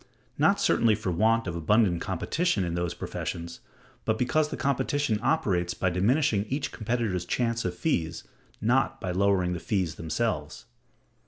Not certainly for want of abundant competition in those professions, but because the competition operates by diminishing each competitor's chance of fees, not by lowering the fees themselves.